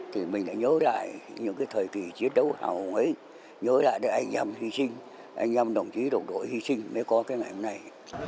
thì mình lại nhớ lại những cái thời kỳ chiến đấu hào hùng ấy nhớ lại được anh em hy sinh anh em đồng chí đồng đội hy sinh mới có cái ngày hôm nay